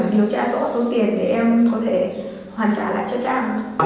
điều tra rõ số tiền để em có thể hoàn trả lại cho trang